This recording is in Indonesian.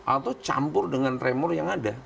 atau campur dengan tremor yang ada